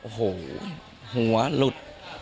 โอ้โหหัวหลุด